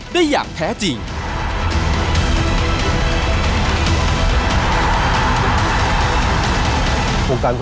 ได้อย่างแท้จริง